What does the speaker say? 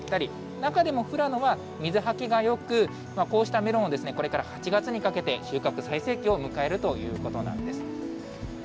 中でも富良野は水はけがよく、こうしたメロンをこれから８月にかけて収穫最盛期を迎えるということなんです。